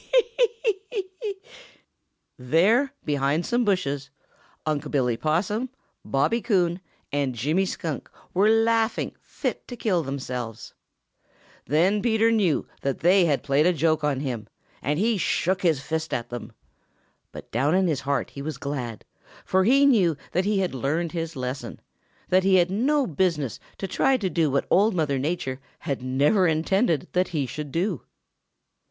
Ho, ho, hoi Hee, hee, hee!" There, behind some bushes, Unc' Billy Possum, Bobby Coon, and Jimmy Skunk were laughing fit to kill themselves. Then Peter knew that they had played a joke on him, and he shook his fist at them. But down in his heart he was glad, for he knew that he had learned his lesson that he had no business to try to do what Old Mother Nature had never intended that he should do.